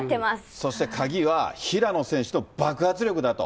そして鍵は平野選手の爆発力だと。